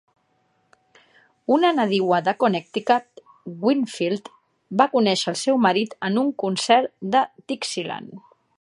Una nadiua de Connecticut, Winfield, va conèixer al seu marit en un concert de Dixieland.